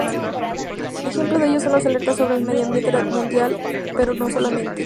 Ejemplo de ello son las alertas sobre el medioambiente mundial, pero no solamente.